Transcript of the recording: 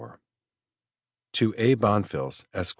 "TO A. BONFILS, Esq.